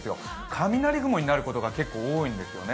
雷雲になることが結構多いんですよね。